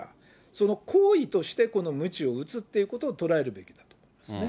その行為として、むちを打つってことを捉えるべきだと思うんです